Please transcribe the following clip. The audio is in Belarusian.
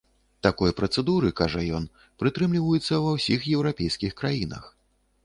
Такой працэдуры, кажа ён, прытрымліваюцца ва ўсіх еўрапейскіх краінах.